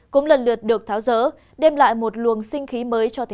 cũng lần lượt được tháo rỡ đem lại một luồng sinh khí mới